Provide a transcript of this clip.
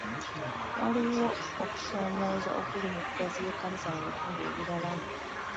Waliwo okusoomooza okuli mu kugaziya ekkanisa mu bitundu ebirala.